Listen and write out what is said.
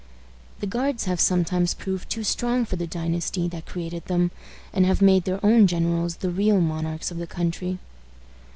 The guards have sometimes proved too strong for the dynasty that created them, and have made their own generals the real monarchs of the country.